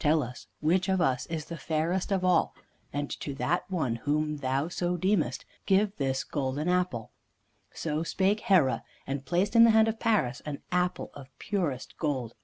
Tell us which of us is the fairest of all, and to that one whom thou so deemest, give this golden apple." So spake Hera, and placed in the hand of Paris an apple of purest gold.